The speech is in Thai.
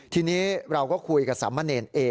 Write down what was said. ทีนี้เราก็คุยกับสามเณรเอ